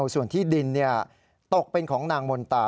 ส่วนที่ดินตกเป็นของนางมนตา